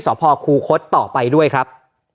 สพคูคศต่อไปด้วยครับ